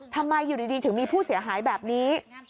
ทำไมอยู่ดีถึงมีผู้เสียหายแบบนี้